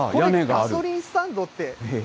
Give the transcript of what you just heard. ガソリンスタンドって。